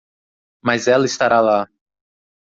Mas ela estará lá.